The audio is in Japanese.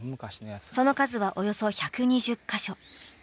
その数はおよそ１２０カ所。